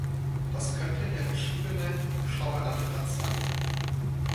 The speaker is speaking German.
Das könnte der beschriebene Hubschrauberlandeplatz sein.